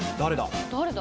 誰だ？